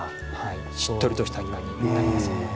しっとりとした庭になりますね。